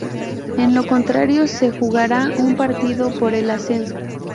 En lo contrario, se jugará un partido por el ascenso.